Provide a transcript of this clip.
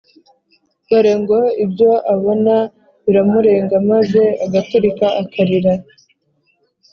dore ngo ibyo abona biramurenga maze agaturika akarira